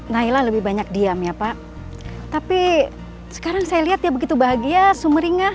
naila lebih banyak diam ya pak tapi sekarang saya lihat dia begitu bahagia sumeringah